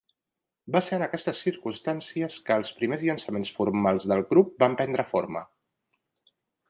Va ser en aquestes circumstàncies que els primers llançaments formals del grup van prendre forma.